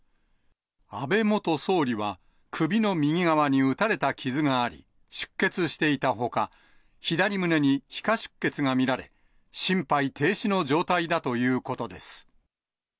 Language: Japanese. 安倍元総理は首の右側に撃たれた傷があり、出血していたほか、左胸に皮下出血が見られ、心肺停止の状態だということです。